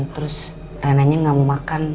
terus renanya gak mau makan